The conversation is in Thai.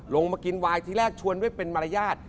ลงมากินวายทีแรกชวนด้วยเป็นมารยาท